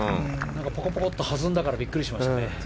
ぽこぽこって弾んだからびっくりしましたね。